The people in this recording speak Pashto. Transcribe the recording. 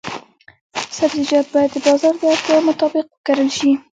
سبزیجات باید د بازار د اړتیاوو مطابق وکرل شي.